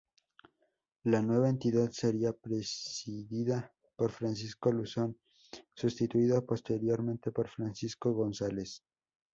La nueva entidad sería presidida por Francisco Luzón, sustituido posteriormente por Francisco González.